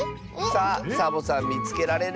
さあサボさんみつけられる？